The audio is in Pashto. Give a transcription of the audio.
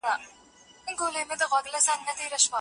فلسفه بايد پښتو شي.